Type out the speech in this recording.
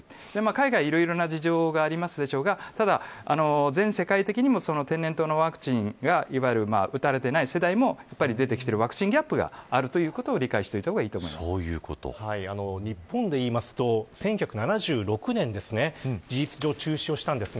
海外はいろいろな事情がありますでしょうが、ただ全世界的にもその天然痘のワクチンがいわゆる、打たれていない世代も出てきているワクチンギャップがあるということを理解しておいた日本でいいますと１９７６年ですね事実上、中止をしました。